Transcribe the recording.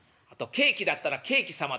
「ケーキだったらケーキ様って言うの？」。